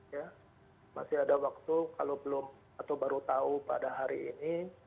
ya masih ada waktu kalau belum atau baru tahu pada hari ini